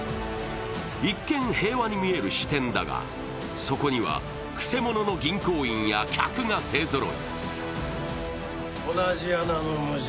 一見、平和に見える支点だが、そこにはくせものの銀行員や客が勢ぞろい。